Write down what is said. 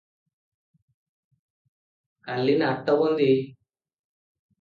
କାଲି ନାଟବନ୍ଦି ।"